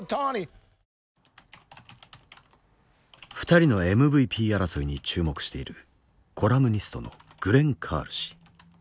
２人のＭＶＰ争いに注目しているコラムニストのグレン・カール氏。